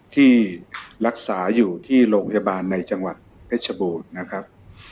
ที่รักษาอยู่ที่โรงพยาบาลในจังหวัดเพชรบูรณ์นะครับ